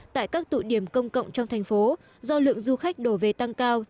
tại các tụ điểm công cộng trong thành phố do lượng du khách đổ về tăng cao